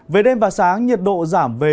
về đêm và sáng nhiệt độ giảm về